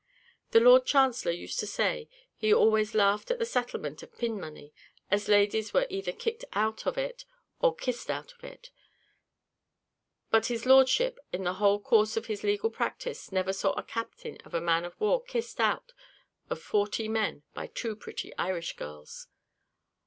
The Lord Chancellor used to say, he always laughed at the settlement of pin money, as ladies were either kicked out of it or kissed out of it; but his lordship, in the whole course of his legal practice, never saw a captain of a man of war kissed out of forty men by two pretty Irish girls.